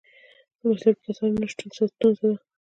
د مسلکي کسانو نشتون ستونزه ده.